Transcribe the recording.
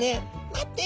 「待って」。